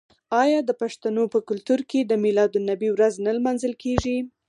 آیا د پښتنو په کلتور کې د میلاد النبي ورځ نه لمانځل کیږي؟